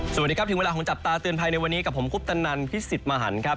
สวัสดีครับถึงเวลาของจับตาเตือนภัยในวันนี้กับผมคุปตนันพิสิทธิ์มหันครับ